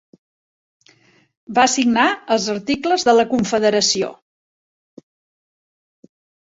Va signar els Articles de la Confederació.